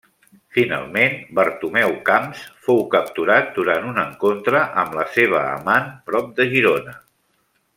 Finalment Bartomeu Camps fou capturat durant un encontre amb la seva amant prop de Girona.